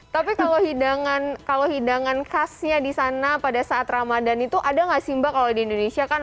tapi kalau hidangan khasnya di sana pada saat ramadhan itu ada nggak sih mbak kalau di indonesia kan